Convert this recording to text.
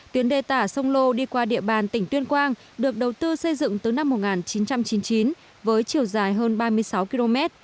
tuyến đê tả sông lô đi qua địa bàn tỉnh tuyên quang được đầu tư xây dựng từ năm một nghìn chín trăm chín mươi chín với chiều dài hơn ba mươi sáu km